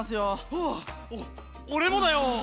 はあっおれもだよ！